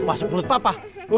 masuk mulut papa